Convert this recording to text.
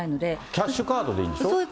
キャッシュカードでいいんでしょ。